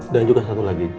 dan juga satu lagi